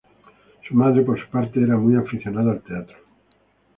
Su madre, por su parte, era muy aficionada al teatro.